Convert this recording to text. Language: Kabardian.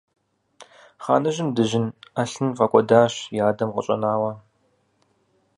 Хъаныжьым дыжьын ӏэлъын фӀэкӀуэдащ и адэм къыщӀэнауэ.